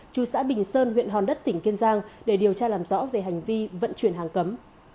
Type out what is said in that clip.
chú xã bình sơn huyện hòn đất tỉnh kiên giang để điều tra làm rõ về hành vi vận chuyển hàng cấm